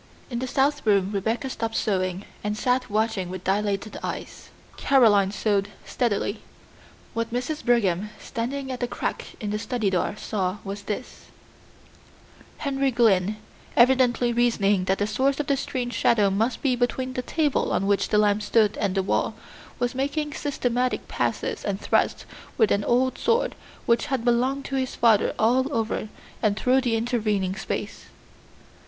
In the south room Rebecca stopped sewing and sat watching with dilated eyes. Caroline sewed steadily. What Mrs. Brigham, standing at the crack in the study door, saw was this: Henry Glynn, evidently reasoning that the source of the strange shadow must be between the table on which the lamp stood and the wall, was making systematic passes and thrusts with an old sword which had belonged to his father all over and through the intervening space.